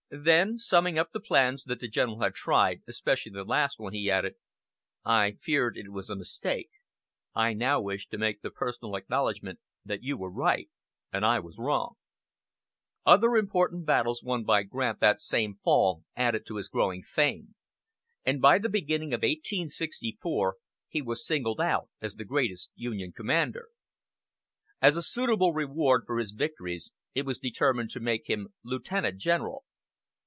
Then, summing up the plans that the General had tried, especially the last one, he added: "I feared it was a mistake. I now wish to make the personal acknowledgement that you were right and I was wrong." Other important battles won by Grant that same fall added to his growing fame, and by the beginning of 1864 he was singled out as the greatest Union commander. As a suitable reward for his victories it was determined to make him Lieutenant General.